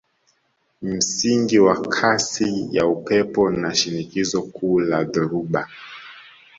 Msingi wa kasi ya upepo na shinikizo kuu la dhoruba